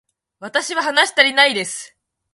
私は話したりないです